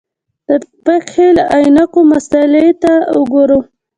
د فقهې له عینکو مسألې ته وګورو.